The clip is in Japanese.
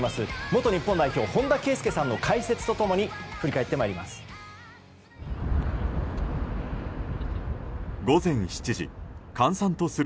元日本代表の本田圭佑さんの解説と共に振り返ってまいります。